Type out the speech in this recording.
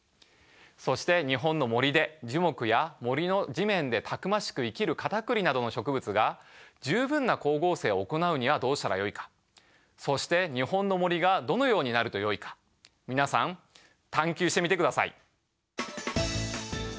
そして日本の森で樹木や森の地面でたくましく生きるカタクリなどの植物が十分な光合成を行うにはどうしたらよいかそして皆さん探究してみてください。